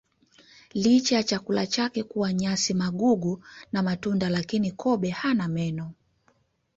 Licha ya chakula chake kuwa nyasi magugu na matunda lakini kobe hana meno